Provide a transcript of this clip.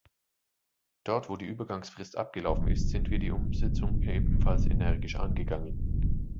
Dort wo die Übergangsfrist abgelaufen ist, sind wir die Umsetzung ebenfalls energisch angegangen.